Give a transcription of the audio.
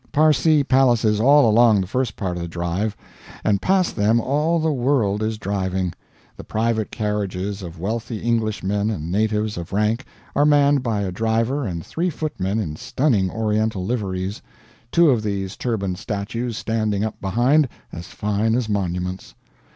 Parsee palaces all along the first part of the drive; and past them all the world is driving; the private carriages of wealthy Englishmen and natives of rank are manned by a driver and three footmen in stunning oriental liveries two of these turbaned statues standing up behind, as fine as monuments.